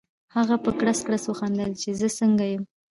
هغه په کړس کړس وخندل چې زه څنګه یم؟